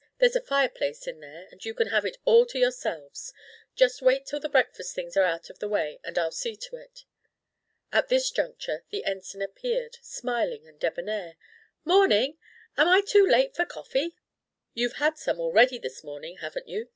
There's a fireplace in there, and you can have it all to yourselves. Just wait till the breakfast things are out of the way and I'll see to it." At this juncture the Ensign appeared, smiling and debonair. "Morning! Am I too late for coffee?" "You've had some already this morning, haven't you?"